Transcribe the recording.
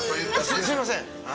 すすいません。